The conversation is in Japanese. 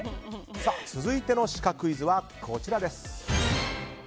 続いてのシカクイズはこちら。